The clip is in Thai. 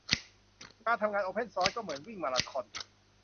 การทำงานโอเพนซอร์สก็เหมือนวิ่งมาราธอน